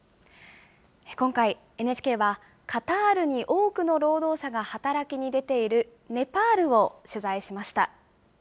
今回、ＮＨＫは、カタールに多くの労働者が働きに出ているネパールを取材しました。